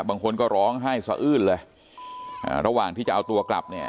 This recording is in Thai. บางคนก็ร้องไห้สะอื้นเลยอ่าระหว่างที่จะเอาตัวกลับเนี่ย